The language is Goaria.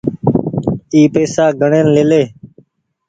اي پئيسا گڻين ليلي ۔